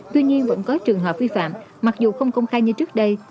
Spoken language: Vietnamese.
tuy nhiên vẫn có trường hợp vi phạm mặc dù không công khai như trước đây